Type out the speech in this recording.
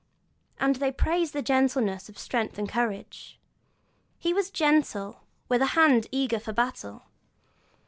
And they praise the gentleness of strength and courage: 'he was gentle, with a hand eager for battle.'